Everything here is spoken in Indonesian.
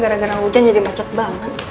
gara gara hujan jadi macet banget